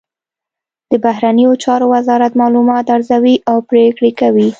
د بهرنیو چارو وزارت معلومات ارزوي او پریکړه کوي